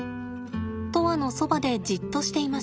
砥愛のそばでじっとしています。